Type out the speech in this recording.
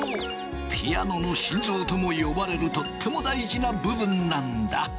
ピアノの心臓とも呼ばれるとっても大事な部分なんだ。